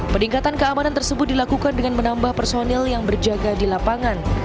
peningkatan keamanan tersebut dilakukan dengan menambah personil yang berjaga di lapangan